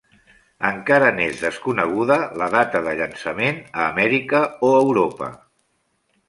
Encara n'és desconeguda la data de llançament a Amèrica o Europa.